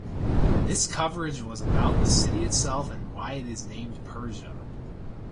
This coverage was about the city itself and why it is named Persia.